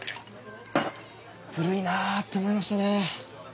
ずるいなって思いましたね。